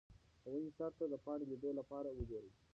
د ونې سر ته د پاڼې لیدو لپاره وګورئ.